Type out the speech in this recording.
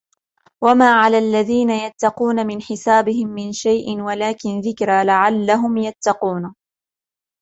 وَمَا عَلَى الَّذِينَ يَتَّقُونَ مِنْ حِسَابِهِمْ مِنْ شَيْءٍ وَلَكِنْ ذِكْرَى لَعَلَّهُمْ يَتَّقُونَ